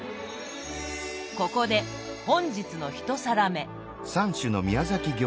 ここで本日の１皿目。